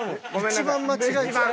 一番間違えてる。